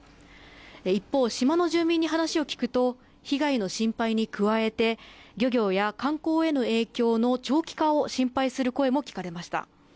一方、島の住民に話を聞くと被害の心配に加えて漁業や観光への影響の長期化を心配する声も聞かれました。